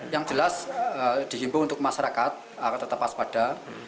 yang jelas dihimbau untuk masyarakat tetap as pada